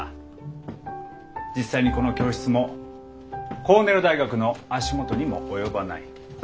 実際にこの教室もコーネル大学の足元にも及ばない。